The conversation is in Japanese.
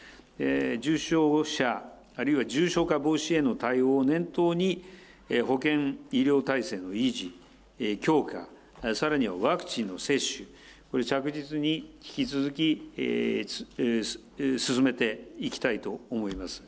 重症者、あるいは重症化防止への対応を念頭に、保健医療体制の維持・強化、さらにはワクチンの接種、これ着実に、引き続き進めていきたいと思います。